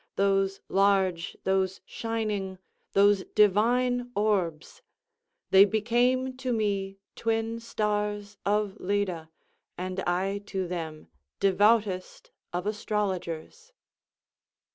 those large, those shining, those divine orbs! they became to me twin stars of Leda, and I to them devoutest of astrologers.